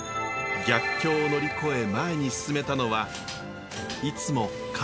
逆境を乗り越え前に進めたのはいつも家族がいたから。